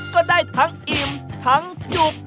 ก็ได้ทั้งอิ่มทั้งจุก